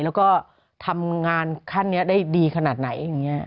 แล้วก็ทำงานขั้นนี้ได้ดีขนาดไหนอย่างนี้